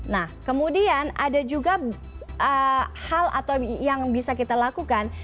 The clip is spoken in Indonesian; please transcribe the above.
nah kemudian ada juga hal atau yang bisa kita lakukan